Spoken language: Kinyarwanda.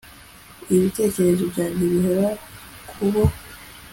ibitekerezo byanjye bihora ku bo